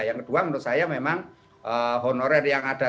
yang kedua menurut saya memang honorer yang ada